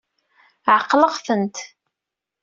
Ɛeqleɣ-tent.